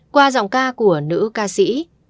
qua giọng ca của nữ ca sĩ